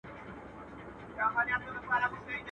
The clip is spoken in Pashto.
یو څه ملنګ یې یو څه شاعر یې..